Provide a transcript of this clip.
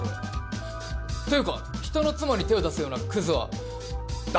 ていうか人の妻に手を出すようなくずは黙ってろ！